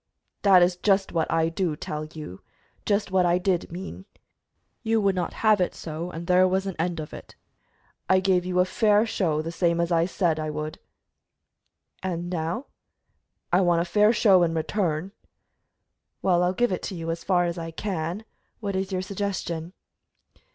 "That is just what I do tell you just what I did mean. You would not have it so, and there was an end of it. I gave you a fair show, the same as I said I would." "And now?" "I want a fair show in return." "Well, I'll give it to you, as far as I can. What is your suggestion?"